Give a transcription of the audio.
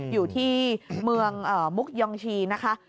อยู่ที่เมืองมุกยองชีนะคะ